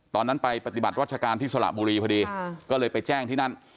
ตอนนั้นไปปฏิบัติรัชการที่สระบุรีพอดีก็เลยไปแจ้งที่นั่น